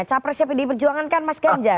capres siapa yang diperjuangkan mas ganjar